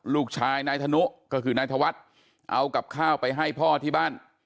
ลูกชายนายธนุก็คือนายธวัฒน์เอากับข้าวไปให้พ่อที่บ้าน